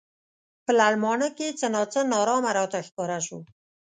په لړمانه کې څه نا څه نا ارامه راته ښکاره شو.